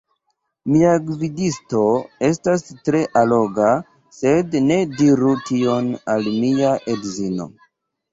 Mia gvidisto estas tre alloga sed ne diru tion al mia edzino!